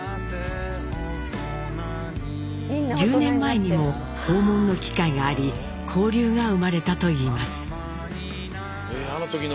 １０年前にも訪問の機会があり交流が生まれたといいます。